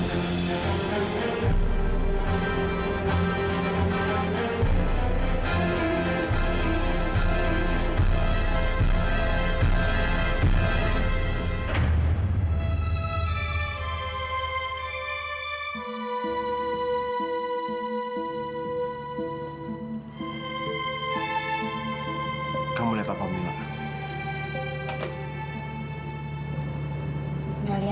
kalau yang ini shirley